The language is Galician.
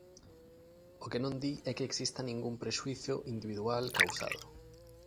O que non di é que exista ningún prexuízo individual causado.